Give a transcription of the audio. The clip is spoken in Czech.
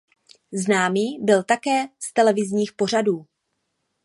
Známý byl také z televizních pořadů.